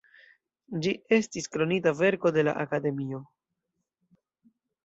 Ĝi estis Kronita verko de la Akademio.